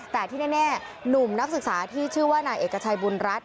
แต่ที่แน่หนุ่มนักศึกษาที่ชื่อว่านายเอกชัยบุญรัฐ